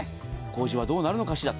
工事はどうなるのかしら。